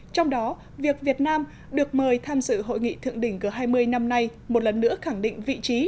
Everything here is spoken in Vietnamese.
trong đó việc việt nam được mời tham dự hội nghị thượng đỉnh g hai mươi năm nay một lần nữa khẳng định vị trí